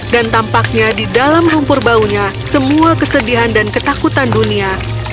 dan tampaknya di dalam rumpur baunya semua kesedihan dan ketakutan dunia